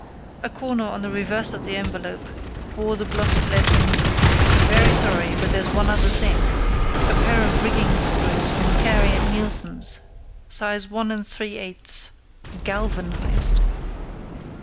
A corner on the reverse of the envelope bore the blotted legend: "Very sorry, but there's one other thing—a pair of rigging screws from Carey and Neilson's, size 1⅜, galvanised."